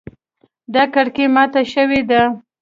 دا کړکۍ ماته شوې ده